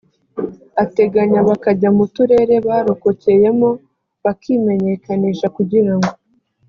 ateganya bakajya mu turere barokokeyemo bakimenyekanisha kugira ngo